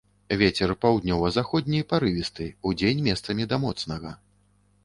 Вецер паўднёва-заходні парывісты, удзень месцамі да моцнага.